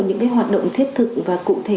những cái hoạt động thiết thực và cụ thể